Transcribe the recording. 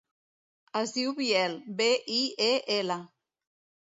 Es diu Biel: be, i, e, ela.